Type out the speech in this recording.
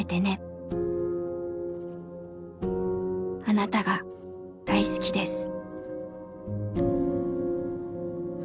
「あなたが大好きです」。